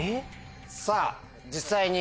さぁ実際に。